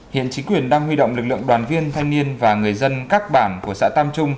hiện chính quyền đang huy động lực lượng đoàn viên thanh niên và người dân các bản của xã tam trung